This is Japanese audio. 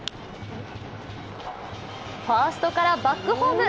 ファーストからバックホーム！